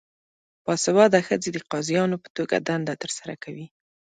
باسواده ښځې د قاضیانو په توګه دنده ترسره کوي.